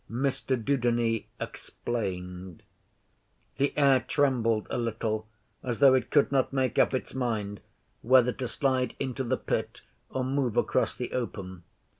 Mr Dudeney explained. The air trembled a little as though it could not make up its mind whether to slide into the Pit or move across the open.